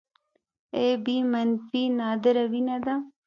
اې بي منفي نادره وینه ده